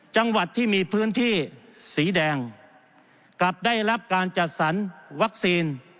จังหวัดที่มีพื้นที่สีแดงกลับได้รับการจัดสรรวัคซีน